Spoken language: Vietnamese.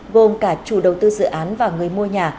gồm cả chủ đầu tư dự án và người mua nhà